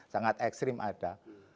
sangat ekstrim ada